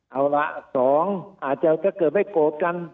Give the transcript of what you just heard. เอาล่ะสองอาจจะเกิดไปโกรธกัน